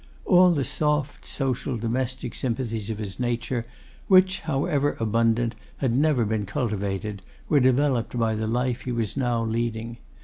All the soft, social, domestic sympathies of his nature, which, however abundant, had never been cultivated, were developed by the life he was now leading.